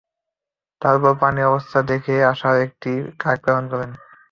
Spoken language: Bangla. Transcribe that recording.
তারপর পানির অবস্থা দেখে আসার জন্য একটি কাক প্রেরণ করেন।